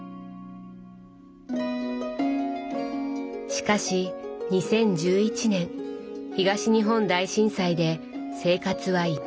しかし２０１１年東日本大震災で生活は一変。